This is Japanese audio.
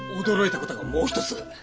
驚いたことがもう一つ。